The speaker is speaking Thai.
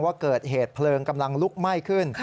ว่าเกิดเหตุเพลิงกำลังลุกไหม้ขึ้น